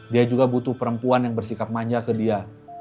dia juga butuh perempuan yang bersikap manja ke dia